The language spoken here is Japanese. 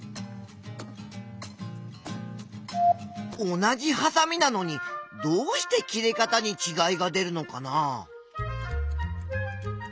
同じはさみなのにどうして切れ方にちがいが出るのかな？